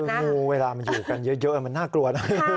คืองูเวลามันอยู่กันเยอะมันน่ากลัวนะ